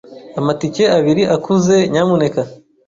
Amatike abiri akuze, nyamuneka.